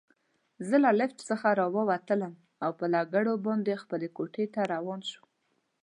زه له لفټ څخه راووتلم او پر لکړو باندې خپلې کوټې ته روان شوم.